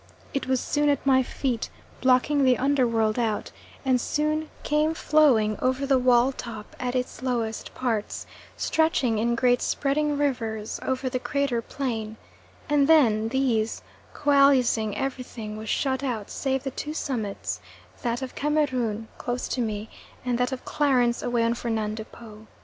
It was soon at my feet, blotting the under world out, and soon came flowing over the wall top at its lowest parts, stretching in great spreading rivers over the crater plain, and then these coalescing everything was shut out save the two summits: that of Cameroon close to me, and that of Clarence away on Fernando Po.